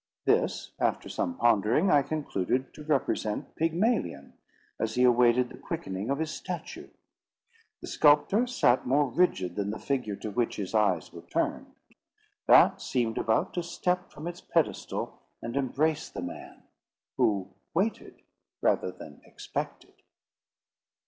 This, after some pondering, I concluded to represent Pygmalion, as he awaited the quickening of his statue. The sculptor sat more rigid than the figure to which his eyes were turned. That seemed about to step from its pedestal and embrace the man, who waited rather than expected.